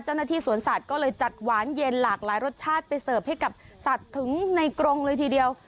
เจ้าหน้าที่สวนสัตว์ก็เลยจัดหวานเย็นหลากหลายรสชาติไปเสิร์ฟให้กับสัตว์ถึงในกรงเลยทีเดียว